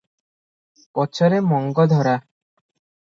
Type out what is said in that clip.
ପଛରେ ମଙ୍ଗଧରା ।